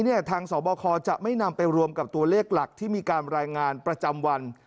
ทางสบคจะไม่นำไปรวมกับตัวเลขหลักที่มีการรายงานประจำวัน